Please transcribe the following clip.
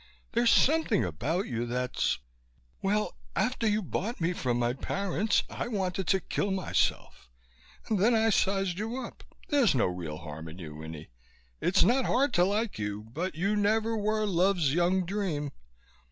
There's something about you that's Well, after you bought me from my parents, I wanted to kill myself and then I sized you up. There's no real harm in you, Winnie, it's not hard to like you, but you never were love's young dream."